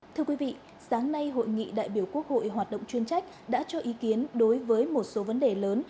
thưa quý vị sáng nay hội nghị đại biểu quốc hội hoạt động chuyên trách đã cho ý kiến đối với một số vấn đề lớn